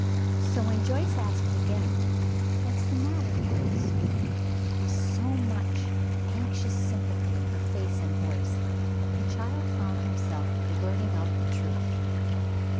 So when Joyce asked again, "What's the matter, Jules?" with so much anxious sympathy in her face and voice, the child found himself blurting out the truth.